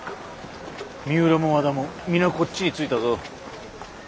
三浦も和田も皆こっちについたぞ。